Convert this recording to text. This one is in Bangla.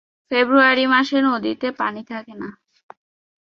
ফেব্রুয়ারি মাসে নদীতে পানি থাকে না।